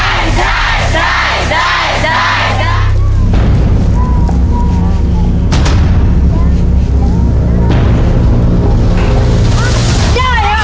เสพเลือกเลย